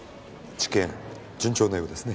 治験順調のようですね